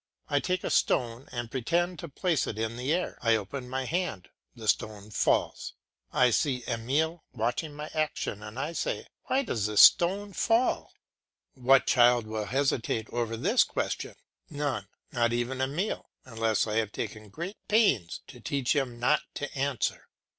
I take a stone and pretend to place it in the air; I open my hand, the stone falls. I see Emile watching my action and I say, "Why does this stone fall?" What child will hesitate over this question? None, not even Emile, unless I have taken great pains to teach him not to answer.